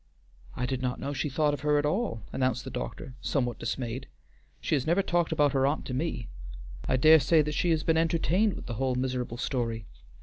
"I did not know she thought of her at all," announced the doctor, somewhat dismayed. "She never has talked about her aunt to me. I dare say that she has been entertained with the whole miserable story."